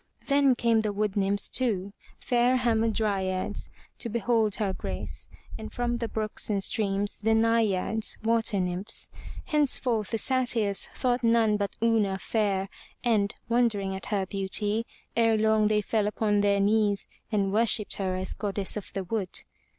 Then came the wood nymphs, too, fair Ham a dry'ads, to behold her grace, and from the brooks and streams, the Nai'ads, water nymphs. Henceforth the Satyrs thought none but Una fair, and, wondering at her beauty, ere long they fell upon their knees and worshipped her as Goddess of the Wood.